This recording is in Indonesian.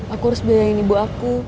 aku harus biayain ibu aku